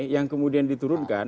yang kemudian diturunkan